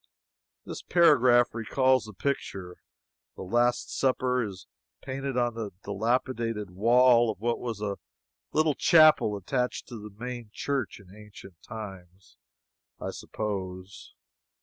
This paragraph recalls the picture. "The Last Supper" is painted on the dilapidated wall of what was a little chapel attached to the main church in ancient times, I suppose.